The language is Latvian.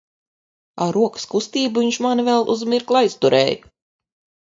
Ar rokas kustību viņš mani vēl uz mirkli aizturēja.